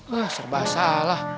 masak basah lah